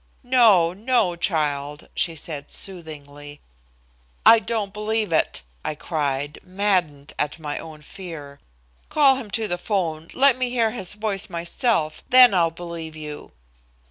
"No, no, child," she said soothingly. "I don't believe it," I cried, maddened at my own fear. "Call him to the 'phone. Let me hear his voice myself, then I'll believe you."